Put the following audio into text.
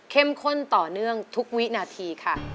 ข้นต่อเนื่องทุกวินาทีค่ะ